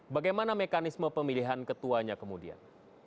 bagaimana mekanisme pemilihan ketuanya kemudian